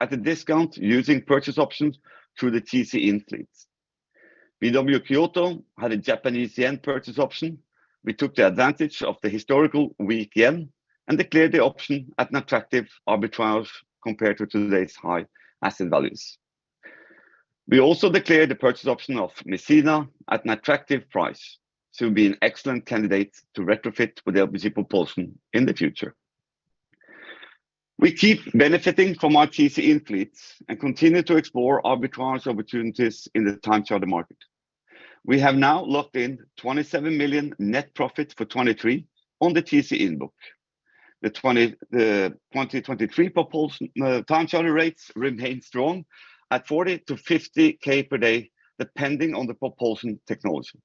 At a discount using purchase options through the TC in fleet. BW Kyoto had a Japanese yen purchase option. We took the advantage of the historical weak yen and declared the option at an attractive arbitrage compared to today's high asset values. We also declared the purchase option of Messina at an attractive price to be an excellent candidate to retrofit with LPG propulsion in the future. We keep benefiting from our TC in fleets and continue to explore arbitrage opportunities in the time charter market. We have now locked in $27 million net profit for 2023 on the TC in book. The 2023 propulsion time charter rates remain strong at $40K-$50K per day, depending on the propulsion technology.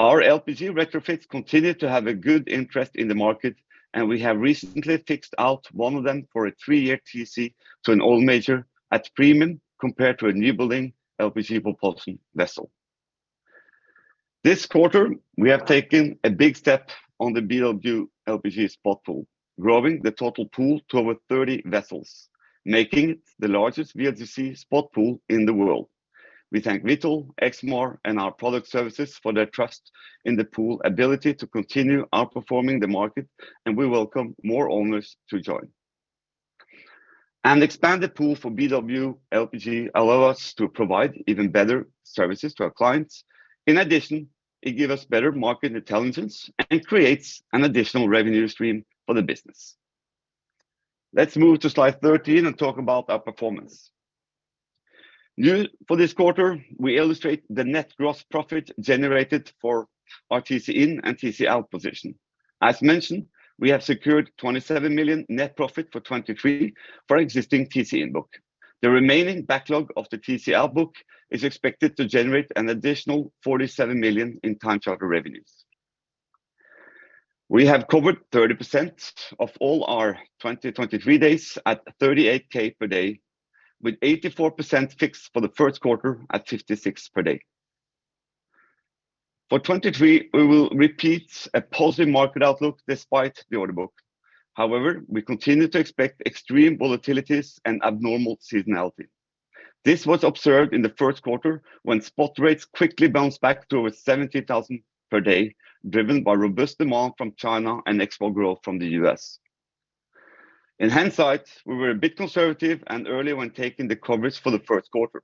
Our LPG retrofits continue to have a good interest in the market, we have recently fixed out one of them for a three-year TC to an oil major at premium compared to a new building LPG propulsion vessel. This quarter, we have taken a big step on the BW LPG spot pool, growing the total pool to over 30 vessels, making it the largest VLGC spot pool in the world. We thank Vitol, Exmar, and BW Product Services for their trust in the pool ability to continue outperforming the market, we welcome more owners to join. An expanded pool for BW LPG allow us to provide even better services to our clients. In addition, it gives us better market intelligence and creates an additional revenue stream for the business. Let's move to slide 13 and talk about our performance. New for this quarter, we illustrate the net gross profit generated for our TC In and TC Out position. As mentioned, we have secured $27 million net profit for 2023 for existing TC In book. The remaining backlog of the TC Out book is expected to generate an additional $47 million in time charter revenues. We have covered 30% of all our 2023 days at $38K per day, with 84% fixed for the first quarter at $56,000 per day. For 2023, we will repeat a positive market outlook despite the order book. We continue to expect extreme volatilities and abnormal seasonality. This was observed in the first quarter when spot rates quickly bounced back to over $70,000 per day, driven by robust demand from China and export growth from the U.S. In hindsight, we were a bit conservative and early when taking the coverage for the first quarter.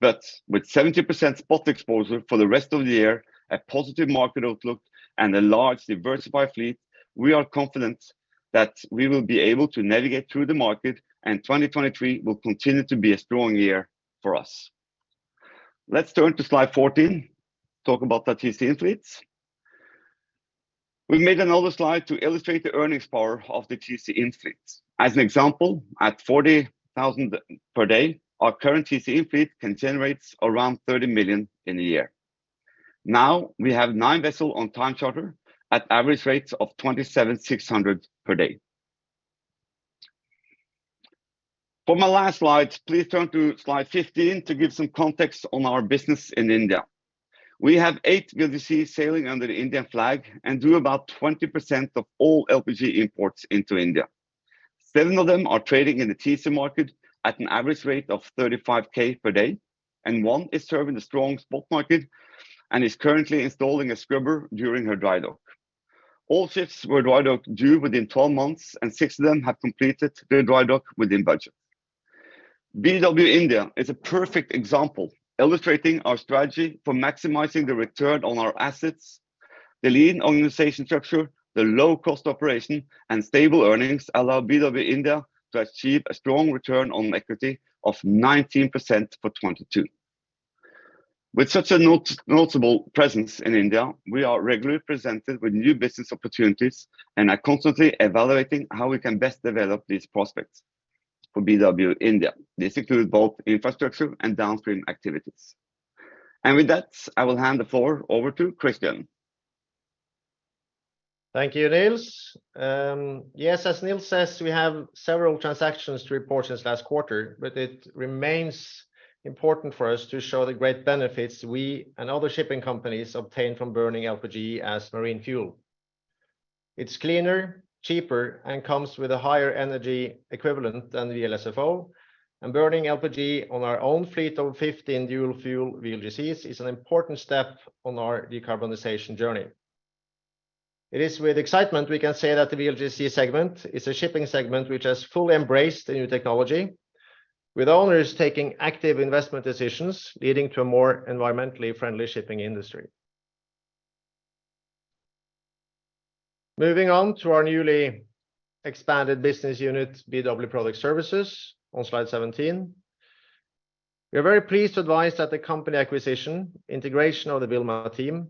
With 70% spot exposure for the rest of the year, a positive market outlook and a large diversified fleet, we are confident that we will be able to navigate through the market and 2023 will continue to be a strong year for us. Let's turn to slide 14, talk about the TC In fleets. We made another slide to illustrate the earnings power of the TC In fleets. As an example, at $40,000 per day, our current TC In fleet can generate around $30 million in a year. Now we have nine vessels on time charter at average rates of $27,600 per day. For my last slide, please turn to slide 15 to give some context on our business in India. We have eight VLGCs sailing under the Indian flag and do about 20% of all LPG imports into India. Seven of them are trading in the TC market at an average rate of $35K per day, and one is serving the strong spot market and is currently installing a scrubber during her dry dock. All ships were dry dock due within 12 months, and six of them have completed their dry dock within budget. BW India is a perfect example illustrating our strategy for maximizing the return on our assets. The lean organization structure, the low cost operation and stable earnings allow BW India to achieve a strong return on equity of 19% for 2022. With such a not-noticeable presence in India, we are regularly presented with new business opportunities and are constantly evaluating how we can best develop these prospects for BW India. This includes both infrastructure and downstream activities. With that, I will hand the floor over to Kristian. Thank you, Niels. Yes, as Niels says, we have several transactions to report since last quarter, but it remains important for us to show the great benefits we and other shipping companies obtain from burning LPG as marine fuel. It's cleaner, cheaper, and comes with a higher energy equivalent than VLSFO. Burning LPG on our own fleet of 15 dual fuel VLGCs is an important step on our decarbonization journey. It is with excitement we can say that the VLGC segment is a shipping segment which has fully embraced the new technology, with owners taking active investment decisions leading to a more environmentally friendly shipping industry. Moving on to our newly expanded business unit, BW Product Services, on slide 17. We are very pleased to advise that the company acquisition, integration of the Vilma Oil team,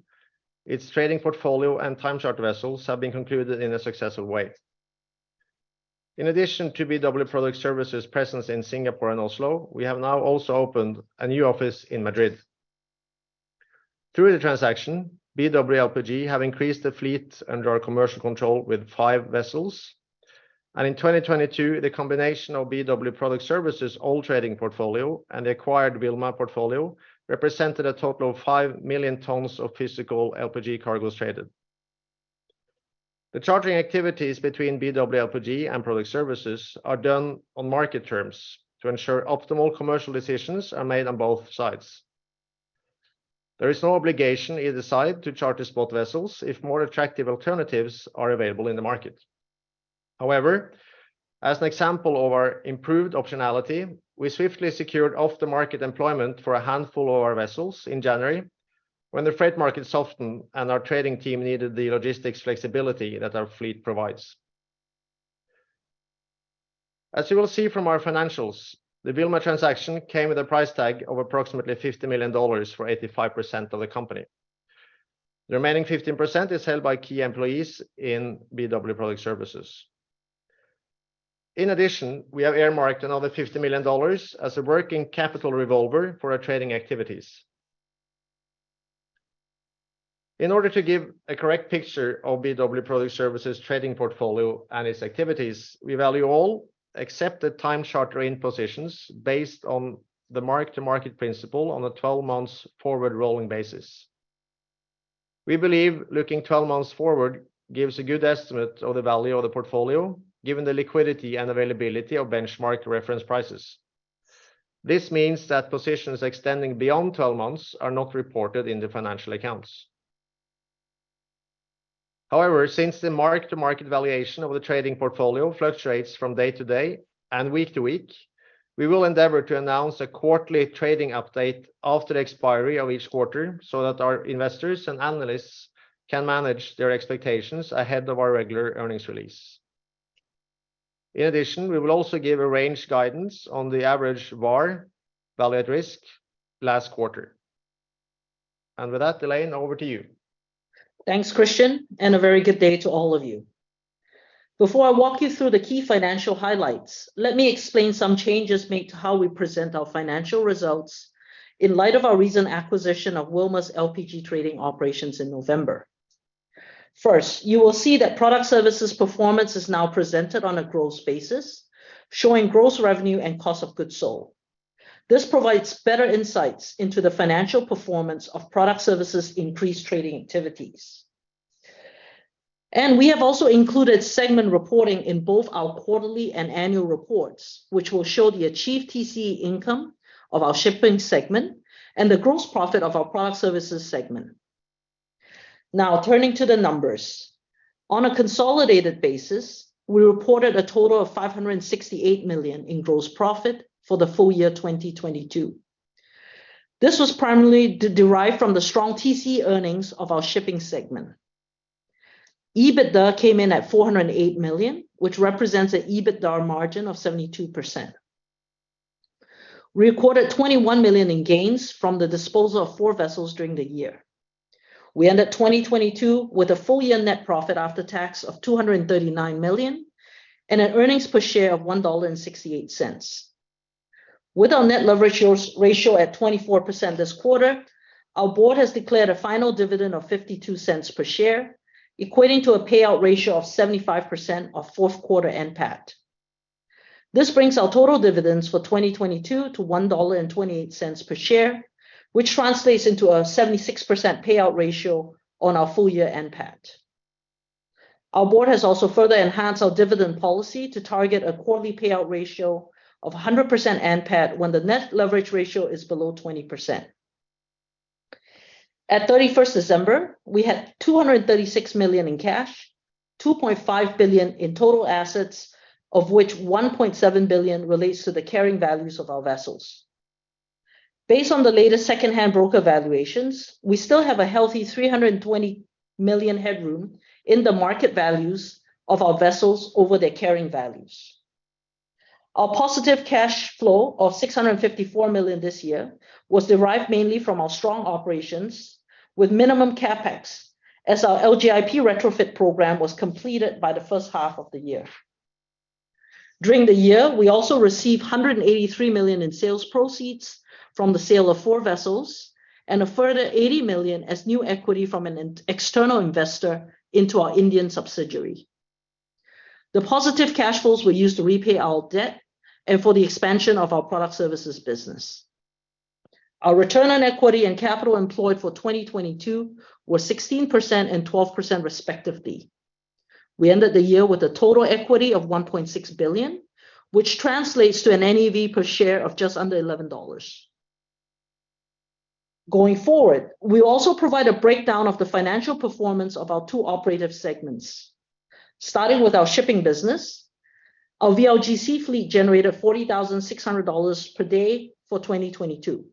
its trading portfolio and time charter vessels have been concluded in a successful way. In addition to BW Product Services presence in Singapore and Oslo, we have now also opened a new office in Madrid. Through the transaction, BW LPG have increased the fleet under our commercial control with five vessels. In 2022, the combination of BW Product Services old trading portfolio and the acquired Vilma Oil portfolio represented a total of five million tons of physical LPG cargos traded. The charging activities between BW LPG and Product Services are done on market terms to ensure optimal commercial decisions are made on both sides. There is no obligation either side to charge the spot vessels if more attractive alternatives are available in the market. However, as an example of our improved optionality, we swiftly secured off-the-market employment for a handful of our vessels in January when the freight market softened and our trading team needed the logistics flexibility that our fleet provides. As you will see from our financials, the Vilma Oil transaction came with a price tag of approximately $50 million for 85% of the company. The remaining 15% is held by key employees in BW Product Services. In addition, we have earmarked another $50 million as a working capital revolver for our trading activities. In order to give a correct picture of BW Product Services trading portfolio and its activities, we value all except the Time Charter In positions based on the mark-to-market principle on a 12 months forward-rolling basis. We believe looking 12 months forward gives a good estimate of the value of the portfolio, given the liquidity and availability of benchmark reference prices. This means that positions extending beyond 12 months are not reported in the financial accounts. However, since the mark-to-market valuation of the trading portfolio fluctuates from day to day and week to week, we will endeavor to announce a quarterly trading update after the expiry of each quarter so that our investors and analysts can manage their expectations ahead of our regular earnings release. In addition, we will also give a range guidance on the average VaR, value at risk, last quarter. With that, Elaine, over to you. Thanks, Kristian. A very good day to all of you. Before I walk you through the key financial highlights, let me explain some changes made to how we present our financial results in light of our recent acquisition of Vilma Oil's LPG trading operations in November. You will see that Product Services performance is now presented on a gross basis, showing gross revenue and cost of goods sold. This provides better insights into the financial performance of Product Services increased trading activities. We have also included segment reporting in both our quarterly and annual reports, which will show the achieved TC income of our shipping segment and the gross profit of our Product Services segment. Turning to the numbers. On a consolidated basis, we reported a total of $568 million in gross profit for the full year 2022. This was primarily de-derived from the strong TC earnings of our shipping segment. EBITDA came in at $408 million, which represents an EBITDA margin of 72%. We recorded $21 million in gains from the disposal of four vessels during the year. We ended 2022 with a full year net profit after tax of $239 million and an earnings per share of $1.68. With our net leverage ratio at 24% this quarter, our board has declared a final dividend of $0.52 per share, equating to a payout ratio of 75% of fourth quarter NPAT. This brings our total dividends for 2022 to $1.28 per share, which translates into a 76% payout ratio on our full year NPAT. Our board has also further enhanced our dividend policy to target a quarterly payout ratio of 100% NPAT when the net leverage ratio is below 20%. At 31st December, we had $236 million in cash, $2.5 billion in total assets, of which $1.7 billion relates to the carrying values of our vessels. Based on the latest secondhand broker valuations, we still have a healthy $320 million headroom in the market values of our vessels over their carrying values. Our positive cash flow of $654 million this year was derived mainly from our strong operations with minimum CapEx as our LGIP retrofit program was completed by the first half of the year. During the year, we also received $183 million in sales proceeds from the sale of four vessels and a further $80 million as new equity from an external investor into our Indian subsidiary. The positive cash flows were used to repay our debt and for the expansion of our Product Services business. Our return on equity and capital employed for 2022 were 16% and 12% respectively. We ended the year with a total equity of $1.6 billion, which translates to an NEV per share of just under $11. Going forward, we also provide a breakdown of the financial performance of our two operative segments. Starting with our shipping business, our VLGC fleet generated $40,600 per day for 2022.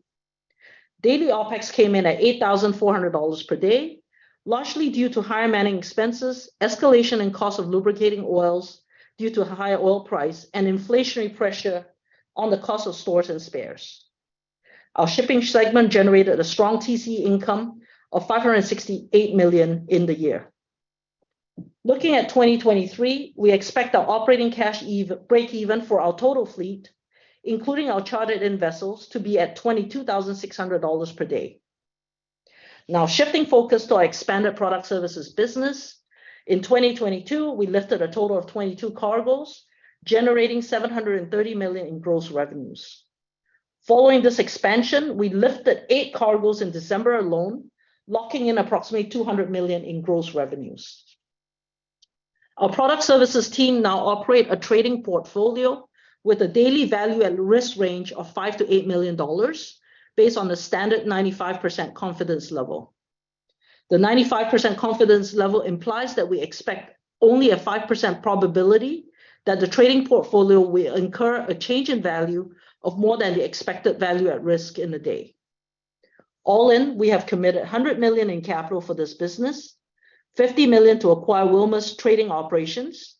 Daily OpEx came in at $8,400 per day, largely due to higher manning expenses, escalation in cost of lubricating oils due to higher oil price, and inflationary pressure on the cost of stores and spares. Our shipping segment generated a strong TC income of $568 million in the year. Looking at 2023, we expect our operating cash break-even for our total fleet, including our chartered-in vessels, to be at $22,600 per day. Shifting focus to our expanded product services business, in 2022, we lifted a total of 22 cargos, generating $730 million in gross revenues. Following this expansion, we lifted eight cargos in December alone, locking in approximately $200 million in gross revenues. Our Product Services team now operate a trading portfolio with a daily value at risk range of $5 million-$8 million based on the standard 95% confidence level. The 95% confidence level implies that we expect only a 5% probability that the trading portfolio will incur a change in value of more than the expected value at risk in the day. All in, we have committed $100 million in capital for this business, $50 million to acquire Vilma Oil's trading operations,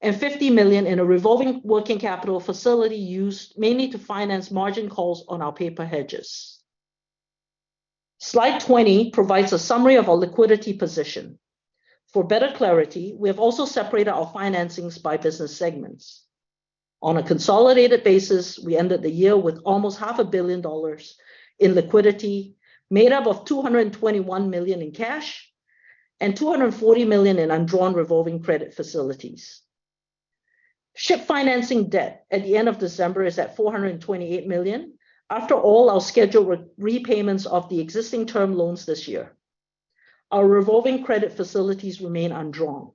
and $50 million in a revolving working capital facility used mainly to finance margin calls on our paper hedges. Slide 20 provides a summary of our liquidity position. For better clarity, we have also separated our financings by business segments. On a consolidated basis, we ended the year with almost half a billion dollars in liquidity, made up of $221 million in cash and $240 million in undrawn revolving credit facilities. Ship financing debt at the end of December is at $428 million after all our scheduled repayments of the existing term loans this year. Our revolving credit facilities remain undrawn.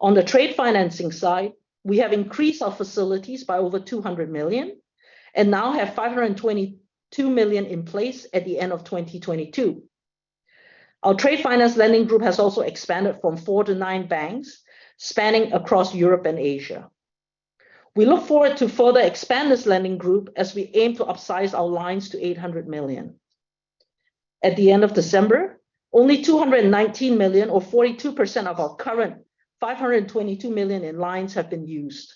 On the trade financing side, we have increased our facilities by over $200 million and now have $522 million in place at the end of 2022. Our trade finance lending group has also expanded from four to nine banks spanning across Europe and Asia. We look forward to further expand this lending group as we aim to upsize our lines to $800 million. At the end of December, only $219 million or 42% of our current $522 million in lines have been used,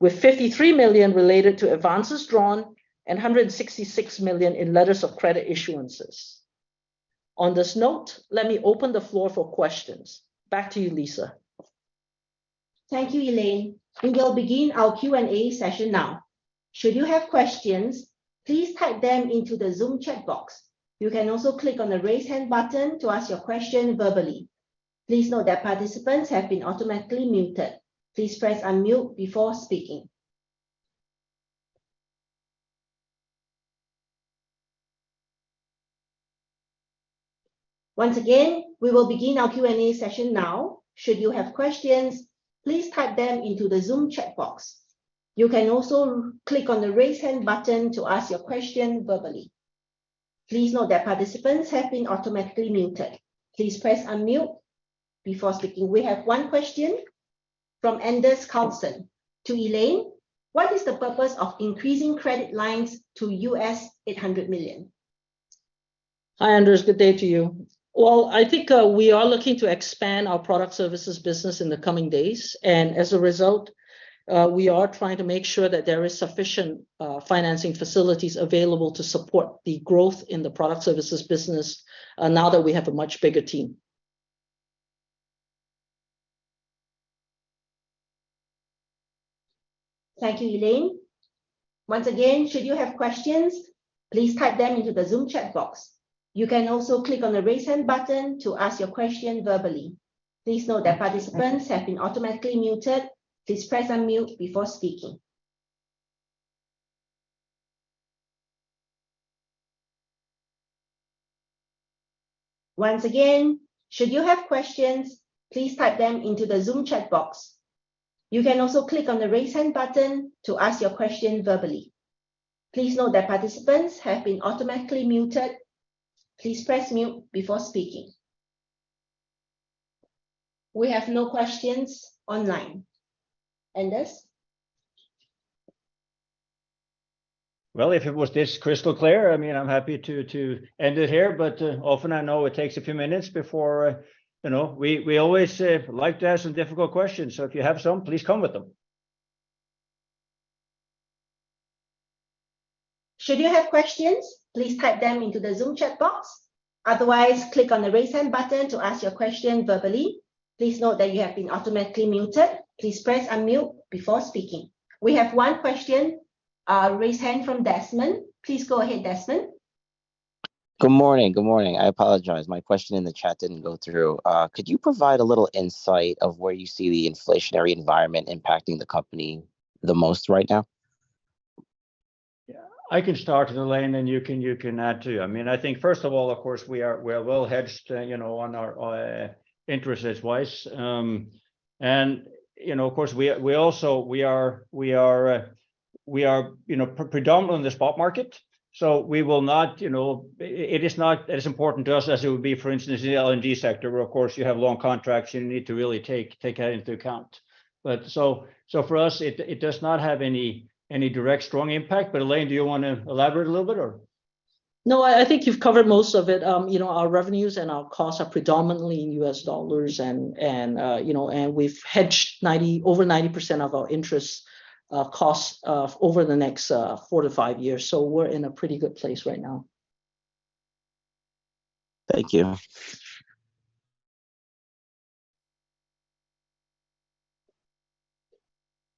with $53 million related to advances drawn and $166 million in letters of credit issuances. On this note, let me open the floor for questions. Back to you, Lisa. Thank you, Elaine. We will begin our Q&A session now. Should you have questions, please type them into the Zoom chat box. You can also click on the Raise Hand button to ask your question verbally. Please note that participants have been automatically muted. Please press unmute before speaking. We have one question from Anders Carlsson. To Elaine, what is the purpose of increasing credit lines to $800 million? Hi, Anders. Good day to you. I think we are looking to expand our Product Services business in the coming days. As a result, we are trying to make sure that there is sufficient financing facilities available to support the growth in the Product Services business now that we have a much bigger team. Thank you, Elaine. Once again, should you have questions, please type them into the Zoom chat box. You can also click on the Raise Hand button to ask your question verbally. Please note that participants have been automatically muted. Please press unmute before speaking. Once again, should you have questions, please type them into the Zoom chat box. You can also click on the Raise Hand button to ask your question verbally. Please note that participants have been automatically muted. Please press mute before speaking. We have no questions online. Anders? Well, if it was this crystal clear, I mean, I'm happy to end it here. Often I know it takes a few minutes before, you know. We always like to ask some difficult questions. If you have some, please come with them. Should you have questions, please type them into the Zoom chat box. Otherwise, click on the Raise Hand button to ask your question verbally. Please note that you have been automatically muted. Please press unmute before speaking. We have one question, raise hand, from Desmond. Please go ahead, Desmond. Good morning. Good morning. I apologize. My question in the chat didn't go through. Could you provide a little insight of where you see the inflationary environment impacting the company the most right now? Yeah. I can start, Elaine, you can add, too. I mean, I think first of all, of course, we are well hedged, you know, on our interest rates wise. You know, of course, we are, you know, predominant in the spot market, so we will not, you know. It is not as important to us as it would be, for instance, in the LNG sector, where, of course, you have long contracts, you need to really take that into account. For us, it does not have any direct strong impact. Elaine, do you wanna elaborate a little bit or? I think you've covered most of it. You know, our revenues and our costs are predominantly in U.S. dollars and, you know, and we've hedged over 90% of our interest costs over the next four to five years. We're in a pretty good place right now. Thank you.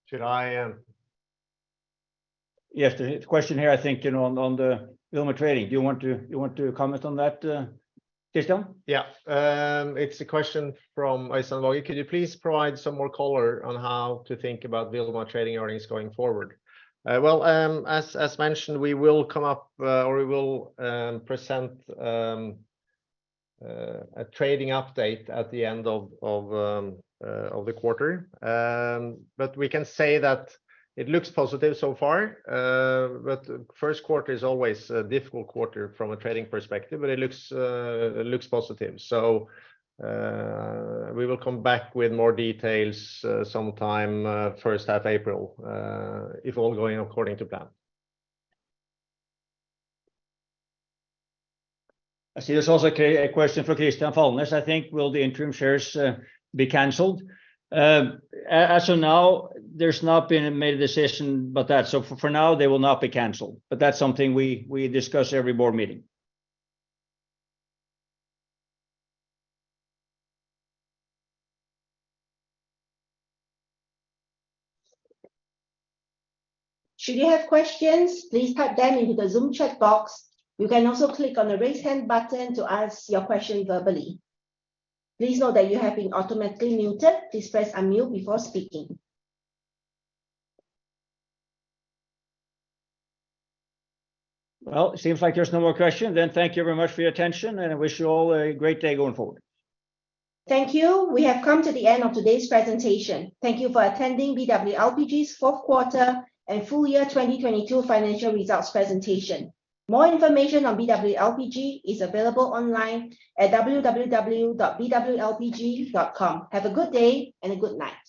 Should I... Yes, there is a question here, I think, you know, on the Vilma trading. Do you want to comment on that, Kristian? It's a question from Eirik Haavaldsen. Could you please provide some more color on how to think about Vilma trading earnings going forward? Well, as mentioned, we will come up, or we will present a trading update at the end of the quarter. We can say that it looks positive so far. First quarter is always a difficult quarter from a trading perspective, but it looks, it looks positive. We will come back with more details sometime first half April, if all going according to plan. I see there's also a question for Christian Falnes, I think. Will the interim shares be canceled? As of now, there's not been a made a decision, but that... For now, they will not be canceled. That's something we discuss every board meeting. Should you have questions, please type them into the Zoom chat box. You can also click on the Raise Hand button to ask your question verbally. Please note that you have been automatically muted. Please press unmute before speaking. Well, seems like there's no more question. Thank you very much for your attention, and I wish you all a great day going forward. Thank you. We have come to the end of today's presentation. Thank you for attending BW LPG's fourth quarter and full year 2022 financial results presentation. More information on BW LPG is available online at www.bwlpg.com. Have a good day and a good night.